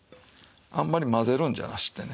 あんまり混ぜるんじゃなしでね